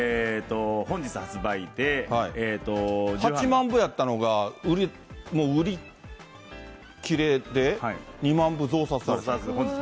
本日発売で、８万部やったのが、もう売り切れで２万部増刷。